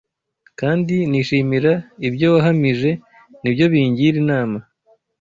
Kandi nishimira ibyo wahamije, ni byo bingira inama